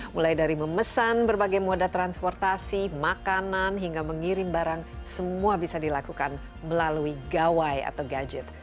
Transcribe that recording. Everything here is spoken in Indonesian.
mulai dari memesan berbagai moda transportasi makanan hingga mengirim barang semua bisa dilakukan melalui gawai atau gadget